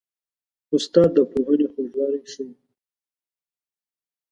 استاد د پوهنې خوږوالی ښيي.